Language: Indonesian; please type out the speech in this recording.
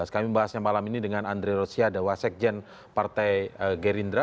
kami membahasnya malam ini dengan andre rosiade wasekjen partai gerindra